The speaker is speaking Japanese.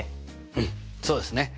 うんそうですね。